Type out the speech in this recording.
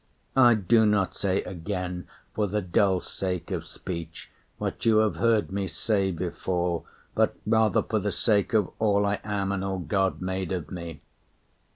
I do not say again for the dull sake Of speech what you have heard me say before, But rather for the sake of all I am, And all God made of me.